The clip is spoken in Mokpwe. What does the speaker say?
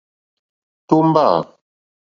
Tómbâ.